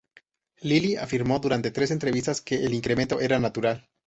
Lily afirmó durante tres entrevistas que el incremento era natural.